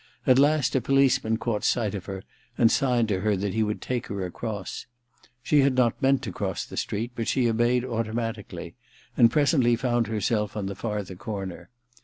At last a policeman caught sight of her and signed to her that he would take her across. She had not meant to cross the street, but she obeyed automatically, and presently found her self on the farther corner.